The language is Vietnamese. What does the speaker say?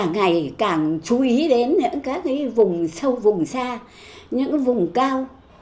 ngày càng chú ý đến những các vùng sâu vùng xa những vùng cao